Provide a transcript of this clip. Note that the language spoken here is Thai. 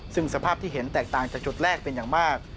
ซึ่งสภาพที่เห็นแตกต่างจากจุดแรกเป็นอย่างมาก